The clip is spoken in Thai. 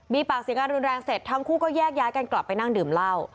มีปากเสียงกันรุนแรงเสร็จทั้งคู่ก็แยกย้ายกันกลับไปนั่งดื่มเหล้า